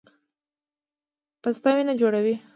پسته وینه جوړوي